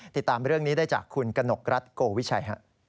ติดตามเรื่องนี้ได้จากคุณกนกรัฐโกวิชัย